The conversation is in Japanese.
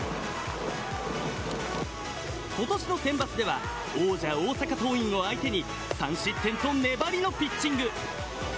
ことしのセンバツで王者大阪桐蔭を相手に３失点と粘りのピッチング！